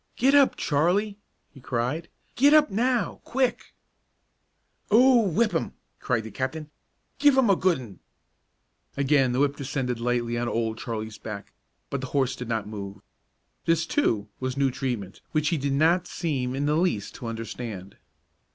"Get up, Charlie!" he cried; "get up now, quick!" "Oh, whip 'im!" cried the captain. "Give 'im a good un!" Again the whip descended lightly on Old Charlie's back; but the horse did not move. This, too, was new treatment, which he did not seem in the least to understand.